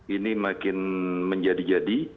ini makin menjadi jadi